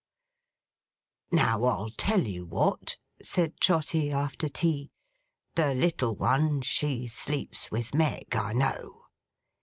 'Now, I'll tell you what,' said Trotty after tea. 'The little one, she sleeps with Meg, I know.